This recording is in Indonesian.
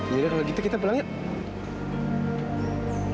yaudah kalau gitu kita pulang yuk